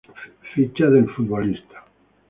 Ficha del futbolista